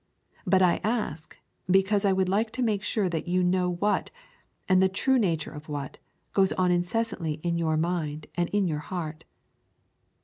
But I ask, because I would like to make sure that you know what, and the true nature of what, goes on incessantly in your mind and in your heart.